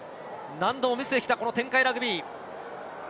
何度も見せてきたこの展開ラグビー。